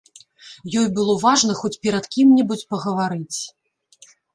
Ёй было важна хоць перад кім-небудзь пагаварыць.